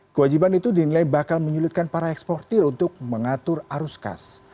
kewajiban itu dinilai bakal menyulitkan para eksportir untuk mengatur arus kas